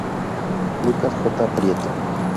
Lucas J. Prieto.